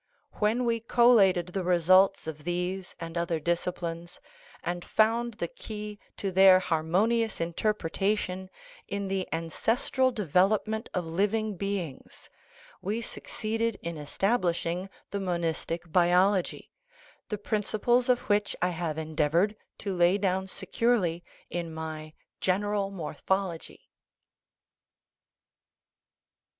When we collated the results of these and other disciplines, and found the key to their harmonious interpretation in the ancestral development of living beings, we succeeded in establishing the mon istic biology, the principles of which I have endeavored to lay down securely in my General Morphology.